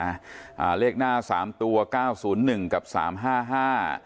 อ่าเลขหน้าสามตัวเก้าศูนย์หนึ่งกับสามห้าห้า